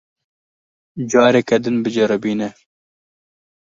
Careke din biceribîne.